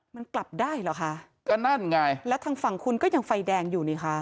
มันกลับได้เหรอคะก็นั่นไงแล้วทางฝั่งคุณก็ยังไฟแดงอยู่นี่ค่ะ